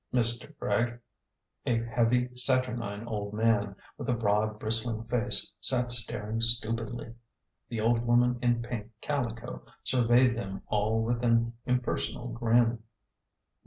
Mr. Gregg, a heavy, saturnine old man, with a broad bristling face, sat staring stupidly. The old woman in pink calico surveyed them all with an impersonal grin.